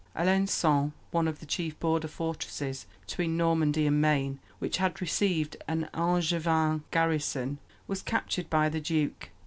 Alençon, one of the chief border fortresses between Normandy and Maine, which had received an Angevin garrison, was captured by the duke.